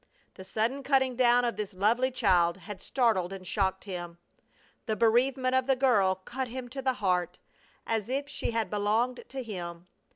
The sudden cutting down of this lovely child had startled and shocked him. The bereavement of the girl cut him to the heart as if she had belonged to him.